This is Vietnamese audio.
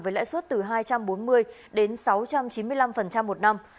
với lãi suất từ hai trăm bốn mươi đến sáu trăm chín mươi năm một năm